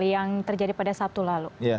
yang terjadi pada sabtu lalu